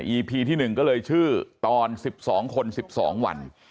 พีที่๑ก็เลยชื่อตอน๑๒คน๑๒วัน